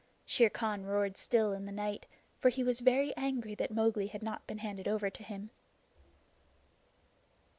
Shere Khan roared still in the night, for he was very angry that Mowgli had not been handed over to him.